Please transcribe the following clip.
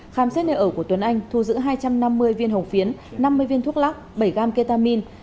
khám xét nơi ở của tuấn anh thu giữ hai trăm năm mươi viên hồng phiến năm mươi viên thuốc lắc bảy gam ketamine